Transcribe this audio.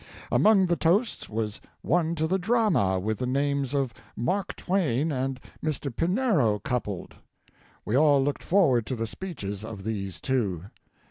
Among the toasts was one to the drama with the names of Mark Twain and Mr. Pinero coupled. We all looked forward to the speeches of these two.